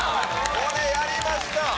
これ、やりました。